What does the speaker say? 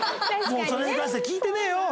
もうそれに関しては聞いてねえよ！